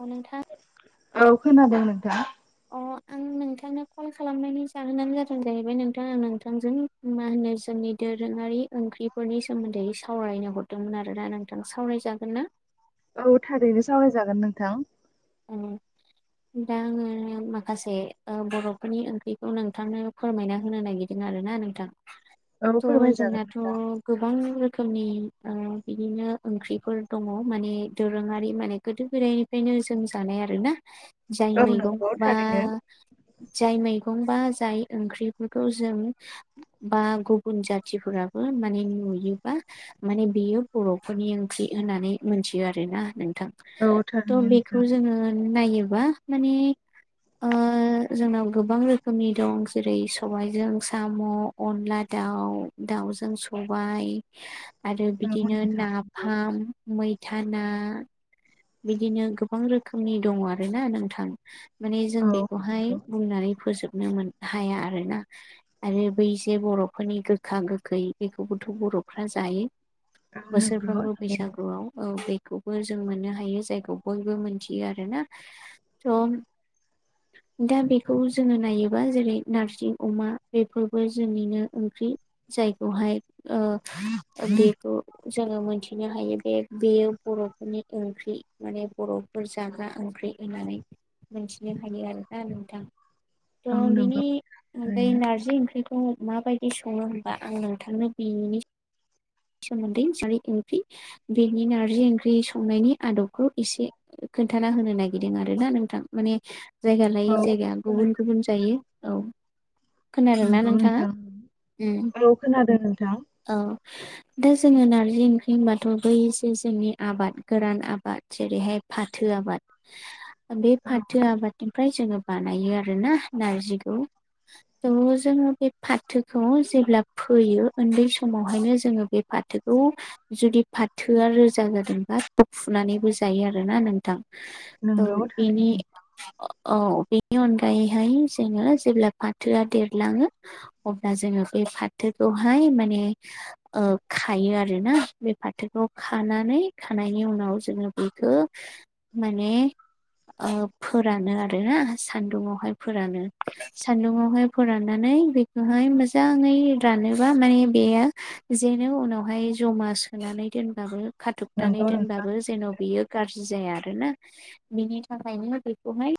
औ नोंथां। औ खोनादों नोंथां। अ' आं नोंथांनो कल खालामनायनि जाहोनानो जादों जाहैबाय नोंथा आं नोंथांजों मा होनो जोंनि दोरोङारि ओंख्रिफोरनि सोमोन्दै सावरायनो हरदोंमोन आरोना नोंथां। सावरायजागोन ना? औ थारैनो सावरायजागोन नोंथां। औ दा आङो माखासे ओ बर'फोरनि ओंख्रिखौ नोंथांनो फोरमायना होनो नागि आरोना नोंथां। औ थ' फोरमायजागोन जोंनाथ' नोंथां। गोबां रोखोमनि ओ बिदिनो ओंख्रिफोर दङ माने दोरोङारि माने गोदो गोदायनिफ्रायनो जोम जानाय आरोना जाय औ मैगं नंगौ बा थारैनो जाय मैगं बा जाय ओंख्रिफोरखौ जों बा गुबुन जाथिफोराबो माने नुयोबा माने बेयो बर'फोरनि ओंख्रि होननानै मोनथियो आरोना नोंथां। औ थारैनो नोंथां। ओ नायोबा माने ओ जोंनाव गोबां रोखोमनि दं। जेरै सबायजों साम' अनला दाउ, दाउजों सबाय [inaudible] आरो नंगौ बिदिनो नोंथां नंगौ। नाफाम, मैथा ना बिदिनो गोबां रोखोमनि दङ आरो ना नोंथां। माने जों औ बेखौहाय नंगौ बुंनानै फोजोबनो मोन हाया आरो ना। आरो बै जे बर'फोरनि गोखा गोखै बेखौबोथ' बर'फ्रा जायो। औ नंगौ बोसोरफ्रोमबो थारैनो बैसागुआव औ बेखौबो जों मोननो हायो जायखौ बयबो मिथियो आरो ना। थ' [inaudible] दा बेखौ जोङो नायोबा जेरै नारजि, अमा बेफोरबो जोंनिनो ओंख्रि। जायखौहाय ओ बेखौ जोङो मोनथिनो हायो। बे बेयो बर'फोरनि ओंख ख्रि माने बर'फोर जाग्रा ओंख्रि होननानै मोनथिनो हायो आरोना नोंथां। औ थ' बिनि नंगौ अनगायै थारैनो नारजि ओंख्रि खौ मा बायदि सङो होमबा? आं नोंथांनो बेनि सोमोन्दै सारि ओंख्रि बेनि नारजि ओंख्रि संनायनि आदबखौ एसे ओ खोन्थाना होनो नागिरदों आरो ना नोंथां। माने जायगा औ लायै जायगा गुबुन गुबुन जायो औ। खोनादों ना नंगौ नोंथाङा? नोंथां उम औ खोनादों नोंथां औ दा जोङो नार्जि ओंख्रि होनबाथ' बैसो जोंनि आबाद गोरान आबाद जेरैहाय फाथो आबाद। [inaudible] ओ बे औ फाथो आबादनिफ्राय जोङो बानायो आरो ना नारजिखौ। थ' जोङो बे फाथोखौ जेब्ला फोयो ओन्दै समावहायनो जोङो बे फाथोखौ जुदि फाथोआ रोजा जादोंबा थु फुनानैबो जायो आरोना नोंथां। थ' नंगौ बिनि थारैनो अ' औ बेनि अनगायैहाय जोङो जेब्ला फाथोआ देरलाङो अब्ला जोङो बे फाथोखौहाय माने ओ खायो आरो ना। बे फाथोखौ खानानै खानायनि उनाव जोङो बेखौ माने ओ फोरानो आरोना सान्दुंआवहाय फोरानो। सान्दुंआवहाय फोराननानै बेखौहाय मोजाङै रानोबा माने बेयो जेननो उनावहाय ज'मा सोनानै दोनबाबो खाथबनानै नंगौ नोंथां दोनबाबो जेन' बेयो गाज्रि जाया आरो ना। बिनि थाखायनो बेखौहाय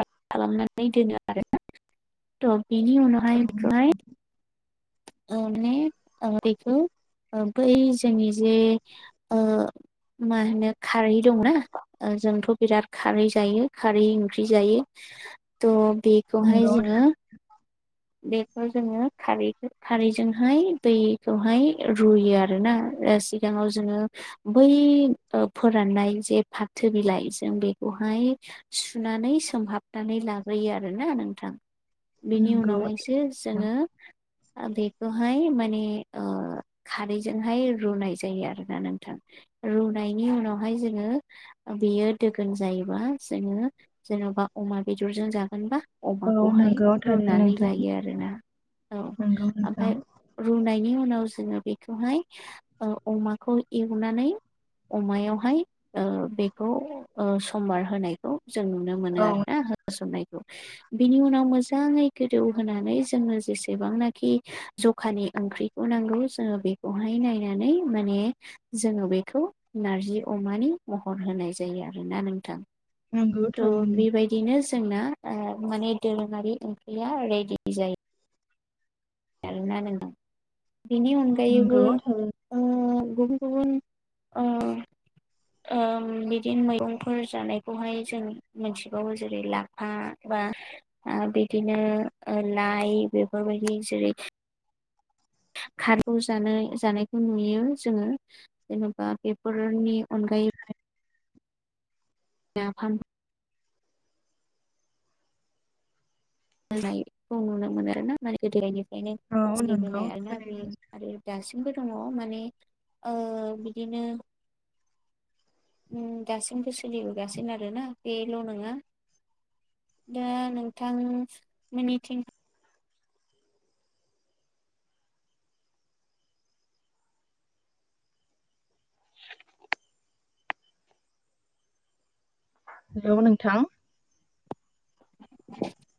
ओ खालामनानै दोनो आरो ना। थ' बेनि औ उनावहाय बेखौहाय नोंथां ओ माने बेखौ बै जोंनि जे ओ [inaudible] मा होनो खारै दंना जोंथ' बिराद खारै जायो खारै ओंख्रि जायो थ' बे खौहाय नंगौ जोङो थारैनो। बेखौ जोङो खारै खारैजोंहाय दैखौहाय रुयो आरो ना सिगाङाव जोङो बै फोराननाय ओ जे फाथो बिलाइ जों बेखौहाय सुनानै सोमहाबनानै लाग्रोयो आरो ना नोंथां। बेनि नंगौ उनाव सो नोंथां। जोङो ओ बेखौहाय माने ओ खारैजोंहाय रुनाय जायो आरो ना नोंथां। रुनायनि उनावहाय जोङो ओ बेयो दोगोन जायोबा जोङो जेन'बा अमा बेदरजों जागोनबा औ अमाखौहाय नंगौ थारैनो रुनानै नोंथां लायो आरोना औ नंगौ नोंथां ओमफाय रुनायनि उनाव जोङो बेखौहाय ओ अमाखौ एवनानै अमायावहाय ओ बेखौ ओ समबार होनायखौ जों नु नुनो मोनो औ आरोना होसननायखौ बिनि उनाव मोजाङै गोदौ होनोनानै जोङो जेसेबांनाखि जखानि ओंख्रिखौ नांगौ जोङो बे बेखौहाय नायनानै माने जोङो बेखौ नारजि अमानि महर होनाय जायो आरोना नोंथां। नंगौ त' थारैनो बेबायदिनो जोंना ओ माने दोरोङारि ओंख्रिया रेडि जायो। [inaudible] बिनि अनगायैबो नंगौ थारैनो ओ गुबुन गुबुन ओ ओ बिदिनो मैगंफोर जानायखौहाय जों मिथिबावो जेरै ला फा बा बिदिनो लाइ बेफोरबायदि जेरै खारग' जानाय जानायखौ नुयो जोङो जेनेबा बेफोरनि अनगायै नाफाम होननायखौ नुनो मोनो आरोना माने गोदोनिफ्रायनो औ नंगौ सोलिबोनाय आरोना बे थारैनो। आरो दासिमबो दङ माने ओ बिदिनो दासिमबो सोलिबोगासिनो आरोना बेल' नङा दा नोंथां मोननिथिं [inaudible] हेल' नोंथां [inaudible]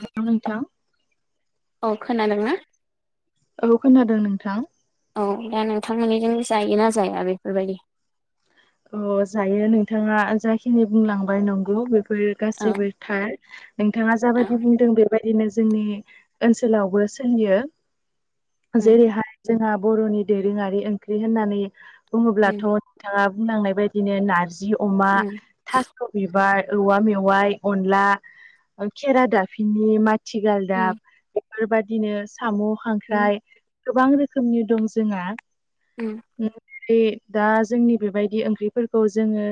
हेल' नोंथां औ खोनादोंना? औ खोनादों नोंथां। औ दा नोंथांमोननिजों जायोना जाया बेफोरबायदि? अ जायो नोंथाङा जाखिनि बुंलांबाय नंगौ बेफोर औ गासैबो थार नोंथाङा औ जाबायदि बुंदों बेबायदिनो जोंनि ओनसोलावबो सोलियो उम जेरैहाय जोंहा बर'नि दोरोङारि ओंख्रि होननानै बुङोब्लाथ' उम नोंथाङा बुंलांनाय बायदिनो नारजि अमा उम थास' बिबार औवा मेवाइ अनला खेरा दाफिनि मा ति गालदाब उम बेफोरबायदिनो साम' उम खांख्राइ गोबां रोखोमनि दं जोंहा उम बे दा जोंनि बेबायदि ओंख्रिफोरखौ जोङो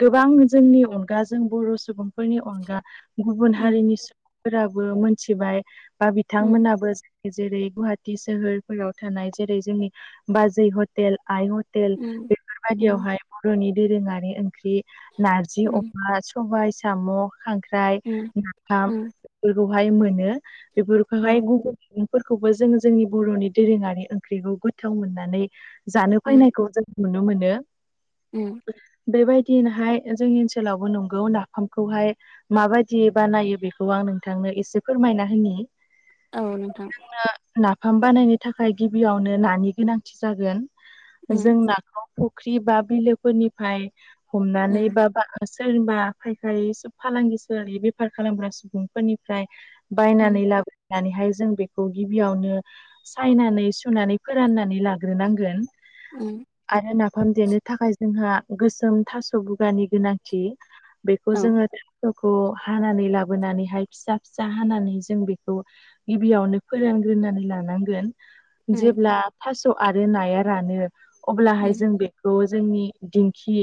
गोबां जोंनि अनगाजों बर' सुबुंफोरनि अनगा गुबुन उम हारिनि सुबुंफोराबो मोनथिबाय बा उम बिथांमोनाबो जेरै गुवाहाटी सोहोरफोराव थानाय जेरै जोंनि बाजै हटेल आइ हटेल उम उम बेफोरबायदियावहाय बर'नि दोरोङारि ओंख्रि नारजि अमा सबाय साम' खांख्राइ उम नाफाम उम बेफोरखौहाय मोनो बेफोरखौहाय गुबुन मैगंफोरखौबो जोङो जोंनि बर'नि दोरोङारि ओंख्रिखौ गोथाव मोननानै जानो उम उम फैनायखौ जों नुनो मोनो। उम बेबायदिनोहाय जोंनि ओनसोलावबो नंगौ नाफामखौहाय माबायदि बा नायो बेखौ आं नोंथांनो एसे फोरमायना होननि औ नोंथां नाफाम बानायनो थाखाय गिबियावनो नानि गोनांथि जागोन उम जोंना फुख्रि बा बिलोफोरनिफ्राय हमनानै उम बा सोरनिबा फायखारि सब फालांगि बेफार खालामग्रा सुबुंफोरनिफ्राय उम बायनानै लाबनानैहाय जों बेखौ गिबियावनो सायनानै सुनानै फोराननानै लाग्रोनांगोन ओम आरो नाफाम देनो थाखाय जोंहा गोसोम थास' बुगानि गोनांथि बेखौ औ जोङो थास'खौ हानानै लाबोनानैहाय फिसा फिसा हानानै जों बेखौ गिबियावनो फोरानग्रोनानै लानांगोन उम जेब्ला थास' आरो नाया रानो अब्लाहाय उम जों बेखौ जोंनि दिंखि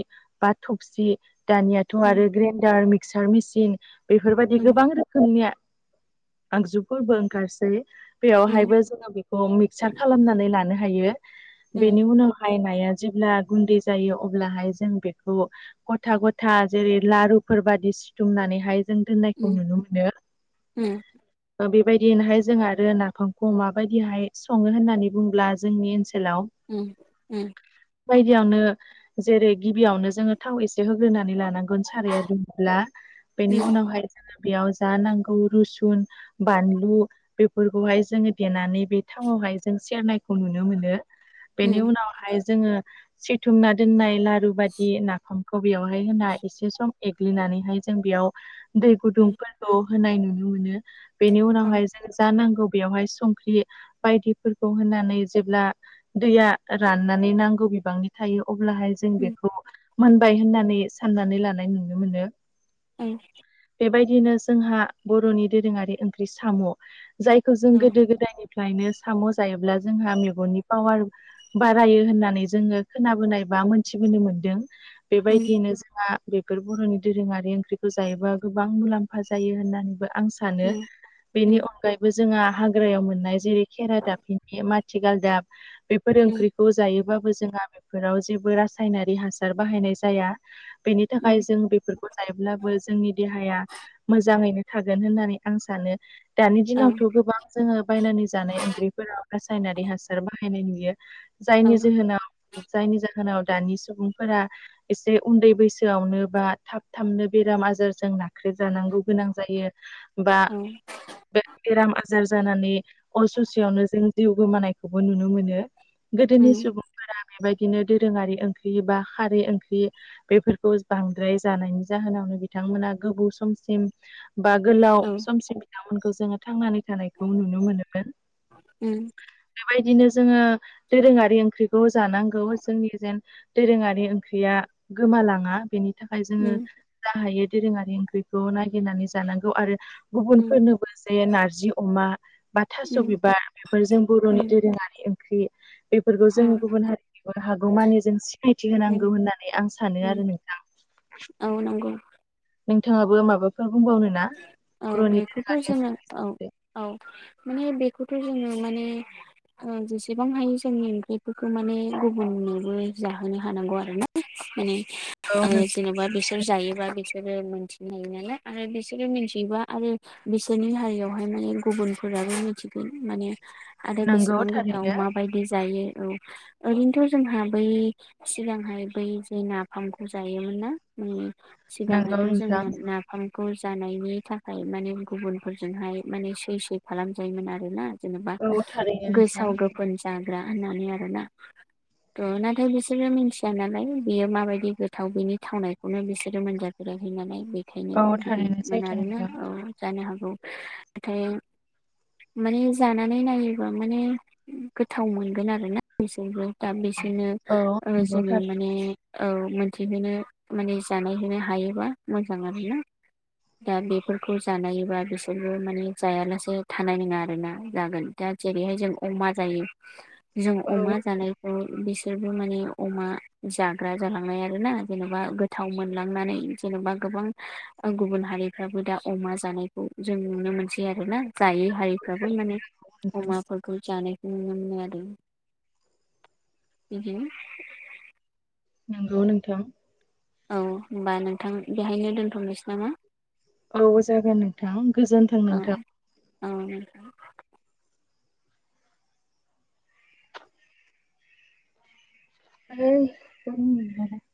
बा थबसि दानियाथ' उम आरो ग्रेन्डार मिक्सार मेसिन बेफोरबायदि उम गोबां रोखोमनि आगजुफोरबो ओंखारसै उम बेयावहायबो जोङो बेखौ मिक्सार खालामनानै लानो हायो बेनि उनाव बायनाया जेब्ला गुन्दै जायो अब्लाहाय जों बेखौ गथा गथा जेरै लारुफोर बादि सिथुमनानैहाय जों दोननायखौ उम नुनो मोनो उम ओ बेबायदिनोहाय जों आरो नाफामखौ माबायदिहाय सङो होननानै बुङोब्ला जोंनि ओनसोलाव ओम ओम बायदियावनो जेरै गिबियावनो जोङो थाव एसे होग्रोनानै लानांगोन साराया दुंब्ला बेनि उनावहाय जोङो बेयाव जा नांगौ रुसुन बानलु बेफोरखौहाय जोङो देनानै बे थावावहाय जों सेरनायखौ नुनो मोनो बेनि उम उम उनावहाय जोङो सिथुमना दोननाय लारु बायदि नाफाम खौ बेयावहाय होना एसे सम एग्लिनानैहाय जों बेयाव दै उम गुदुंफोरखौ होनाय नुनो मोनो बेनि औ उम औ उनावहाय जों जा नांगौ बेवहाय संख्रि बायदिफोरखौ होनानै जेब्ला दैया राननानै नांगौ बिबांनि थायो अब्लाहाय जों उम बेखौ मोनबाय होननानै साननानै लानाय नुनो मोनो [inaudible] बेबायदिनो जोंहा बर'नि दोरोङारि ओंख्रि साम' जायखौ जों गोदो गोदायनि फ्रायनो साम' जायोब्ला जोंहा मेगननि पावार बारायो होननानै जोङो खोनाबोनाय बा मोन्थिबोनो मोनदों बेबायदियैनो जोंहा बेफोर बर'नि दोरोङारि ओंख्रिखौ जायोबा गोबां मुलाम्फा जायो होननानैबो आं सानो सानो बेनि उम अनगायैबो जोंहा हाग्रायाव मोननाय जेरै खेरादाफिनि माथिगालदाब बेफोर उम ओंख्रिखौ जायोबाबो जोंहा बेफोराव जेबो रासायनारि हासार बाहायनाय जाया बेनि थाखाय उम जों बे बेफोरखौ जायोब्लाबो जोंनि देहाया मोजाङैनो थागोन होननानै आं सानो दानि औ दिनावथ' गोबां जोङो बायनानै जानाय ओंख्रिफोराव रासायनारि हासार बाहायनाय नुयो औ जायनि जोहोनाव जायनि जाहोनाव दानि सुबुंफोरा एसे उन्दै बैसोआवनो बा थाब थाबनो बेराम आजारजों नाख्रेबजानांगौ गोनां जायो बा औ बे बेराम आजार जानानै अरसेयावनो जों जिउ गोमानायखौबो नुनो मोनो। गोदोनि उम सुबुंफोरा बेबायदिनो दोरोङारि ओंख्रि बा खारै ओंख्रि बेफोरखौ बांद्राय जानायनि जाहोनावनो बिथांमोना गोबाव समसिम बा गोलाव औ समसिम बिथांमोनखौ जोङो थांनानै थानायखौ नुनो मोनोन उम बेबायदिनो जोङो दोरोङारि ओंख्रिखौ जानांगौ जोंनि जेन दोरोङारि ओंख्रिया गोमालाङा बेनि थाखाय जोङो उम जा हायो दोरोङारि ओंख्रिखौ नागिरनानै जानांगौ आरो उम गुबुनफोरनोबो जे नारजि अमा बा थास' उम बिबार बेफोरजों बर'नि उम दोरोङारि ओंख्रि बेफोरखौ औ जोङो गुबुन हारिनि हागौमानि जों सिनायथि उम होनांगौ होननानै आं सानो उम आरो नोंथां औ नंगौ नोंथाङाबो माबाफोर बुंबावनो ना बर'नि दोरोङारि औ-औ माने बेखौथ' जोङो माने ओ जेसेबां हायो जोंनि ओंख्रिफोरखौ माने गुबुननोबो जाहोनो हानांगौ आरो ना। माने ओ औ जेनेबा बिसोर जायोबा बिसोरो मोनथिनो हायो नालाय आरो बि बिसोरो मिथिबा आरो बिसोरनि हारियावहाय माने गुबुनफोराबो मिथिगोन माने आरो नंगौ बेसेबां गोथाव थारैनो माबायदि जायो औ ओरैनोथ' जोंहा बै सिगांहाय बै जे नाफामखौ जायोमोन ना नंगौ सिगांहायथ' नोंथां जोंना ना ओंखामखौ जानायनि थाखाय माने गुबुनफोरजोंहाय माने सै सै खालामजायोमोन आरो ना। जेनेबा औ थारैनो नोंथां गोसाव गोफोन जाग्रा होननानै आरोना थ' नाथाय बिसोरो मिथिया नालाय बियो माबायदि गोथाव बिनि थावनायखौनो बिसोरो मोनजा फेराखै नालाय बेखायनो औ बिदि थारैनो सैथो नोंथां। जानो हागौ नाथाय माने जानानै नायोबा माने गोथाव मोनगोन आरोना बिसोरबो दा बेसोरनो औ ओ नंगौ जोङो थार माने औ मोनथिहोनो माने जानाय होनोनो हायोबा मोजां आर ना दा बेफोरखौ जानायोबा बिसोरबो माने जायालासे थानाय नङा आरोना जागोन। दा जेरैहाय जों अमा जायो जों औ अमा जानाय बिसोरबो माने अमा जाग्रा जालांनाय आरो ना जेनेबा थाव मोनलांनानै जेनेबा गोबां गुबुन माहारिफ्राबो दा अमा जानायखौ जों नुनो मोनसै आरो ना जायो। हारिफ्राबो थारैनो माने नोंथां अमाखौ जानायखौ नुनो मोनो आरो बिदिनो नंगौ नोंथां। औ होनोमबा नोंथां बेहायनो दोनथ'नोसै नामा? औ जागोन नोंथां गोजोन्थों औ नोंथां। औ नोंथां। [unintelligible] [inaudible]